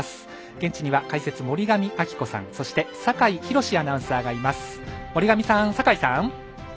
現地には解説・森上亜希子さんそして、酒井博司アナウンサーがいます。